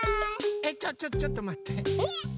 えっちょっちょっとまって。